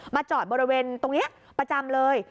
จอดบริเวณตรงนี้ประจำเลย